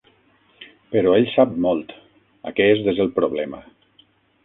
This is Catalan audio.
Però ell sap molt, aquest és el problema.